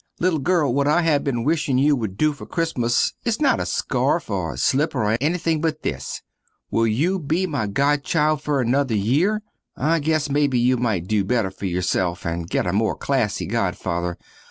Little girl, what I have been wishing you wood do fer Christmas is not a scarf, or slipper or ennything but this. Will you be my godchild fer a nuther yere? I guess mebbe you mite do better fer yourself and get a more classy godfather.